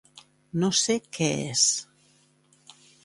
No sé què és.